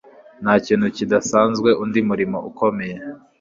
Nta kintu kidasanzwe Undi murimo ukomeye